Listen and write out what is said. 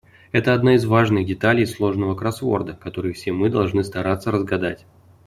Это одна из важных деталей сложного кроссворда, который все мы должны стараться разгадать.